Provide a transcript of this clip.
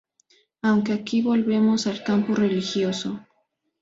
Aunque aquí volvemos al campo religioso.